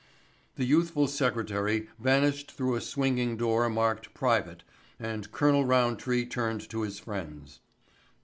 The youthful secretary vanished through a swinging door marked "Private" and Colonel Roundtree turned to his friends.